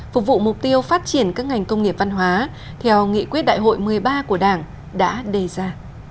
phục vụ mục tiêu phát triển các ngành công nghiệp văn hóa theo nghị quyết đại hội một mươi ba của đảng đã đề ra